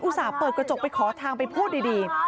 ส่าห์เปิดกระจกไปขอทางไปพูดดี